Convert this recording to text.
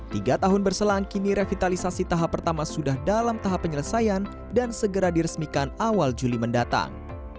tiga tahun berselang kini revitalisasi tahap pertama sudah dalam tahap penyelesaian dan segera diresmikan awal juli mendatang